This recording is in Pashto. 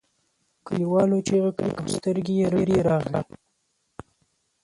کليوالو چیغې کړې او سترګې یې رډې راغلې.